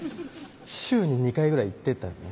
週に２回ぐらい行ってたよね